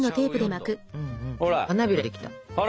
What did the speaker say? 花びらできた！